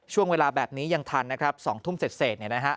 ช่วงเวลาแบบนี้ยังทันนะครับ๒ทุ่มเสร็จเนี่ยนะฮะ